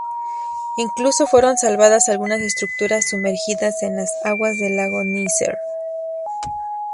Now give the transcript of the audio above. Incluso fueron salvadas algunas estructuras sumergidas en las aguas del lago Nasser.